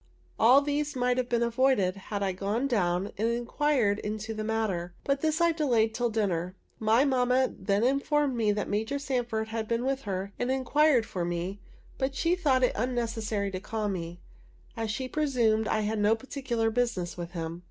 All these might have been avoided, had I gone down and inquired into the matter; but this I delayed till dinner. My mamma then informed me that Major Sanford had been with her, and inquired for me, but that she thought it unnecessary to call me, as she presumed I had no particular business with him.